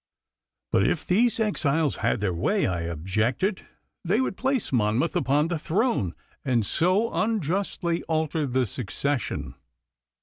'But if these exiles had their way,' I objected, 'they would place Monmouth upon the throne, and so unjustly alter the succession.